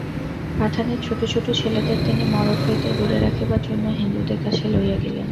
পাঠানের ছোটো ছোটো ছেলেদের তিনি মড়ক হইতে দূরে রাখিবার জন্য হিন্দুদের কাছে লইয়া গেলেন।